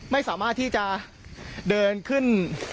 ไม่สามารถที่จะเดินขึ้น